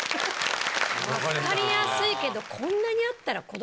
分かりやすいけどこんなにあったら。